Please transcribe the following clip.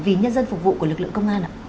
vì nhân dân phục vụ của lực lượng công an ạ